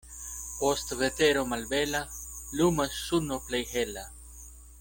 Post vetero malbela lumas suno plej hela.